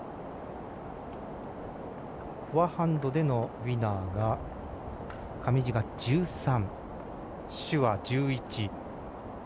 フォアハンドでのウィナーが上地が１３朱は１１。